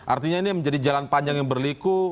artinya ini menjadi jalan panjang yang berliku